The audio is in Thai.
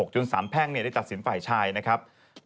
จนสารแพ่งได้ตัดสินฝ่ายชายนะครับ